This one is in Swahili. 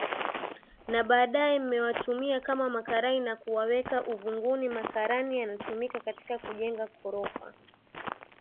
Na baadae mmewatumia kama makarai na kuwaweka uvunguni makarani yanatumika katika kujenga korofa